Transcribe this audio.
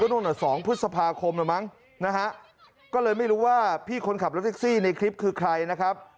นะฮะก็เลยไม่รู้ว่าพี่คนขับรถติ๊กซี่ในคลิปคือใครนะครับ